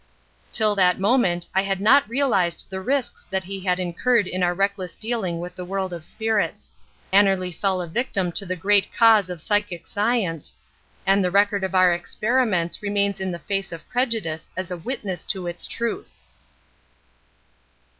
Till that moment I had not realised the risks that he had incurred in our reckless dealing with the world of spirits. Annerly fell a victim to the great cause of psychic science, and the record of our experiments remains in the face of prejudice as a witness to its truth.